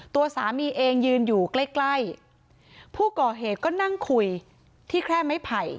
ตัวสามีเองยืนอยู่ใกล้ใกล้ผู้ก่อเหตุก็นั่งคุยที่แคร่ไม้ไผ่